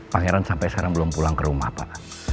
pangeran sampai sekarang belum pulang ke rumah pak